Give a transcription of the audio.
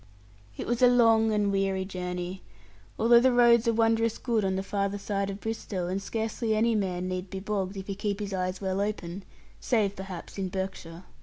It was a long and weary journey, although the roads are wondrous good on the farther side of Bristowe, and scarcely any man need be bogged, if he keeps his eyes well open, save, perhaps, in Berkshire.